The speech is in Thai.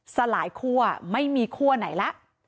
สลายคั่วไม่มีคั่วไหนละ